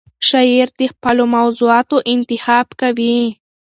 شاعر د خپلو موضوعاتو انتخاب کوي.